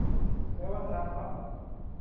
และวัฒนธรรม